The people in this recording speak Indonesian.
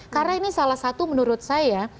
karena ini salah satu menurut saya